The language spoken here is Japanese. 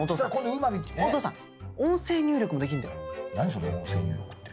それ音声入力って。